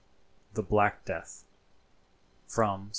*THE BLACK DEATH.* *FROM "ST.